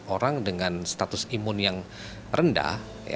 orang dengan status imun yang rendah